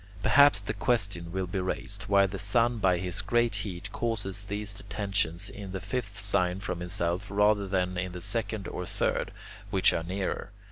Perhaps the question will be raised, why the sun by his great heat causes these detentions in the fifth sign from himself rather than in the second or third, which are nearer.